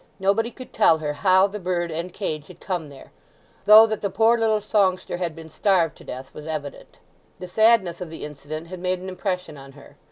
Nobody could tell her how the bird and cage had come there, though that the poor little songster had been starved to death was evident. The sadness of the incident had made an impression on her.